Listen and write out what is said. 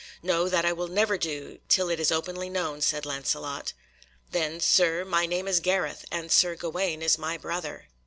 "No, that I will never do, till it is openly known," said Lancelot. "Then, Sir, my name is Gareth, and Sir Gawaine is my brother."